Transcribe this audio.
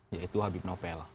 yaitu habib nopel